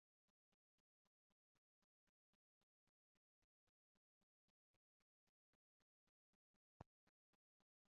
Tial, eĉ en tiu kanono oni ne vidas la kondamnon pri medicino.